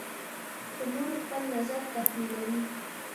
په نورو خپل نظر تحمیلوي.